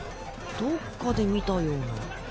どっかで見たような。